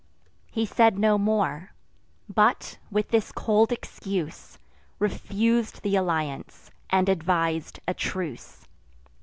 He said no more; but, with this cold excuse, Refus'd th' alliance, and advis'd a truce."